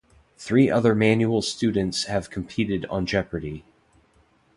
Three other Manual students have competed on Jeopardy.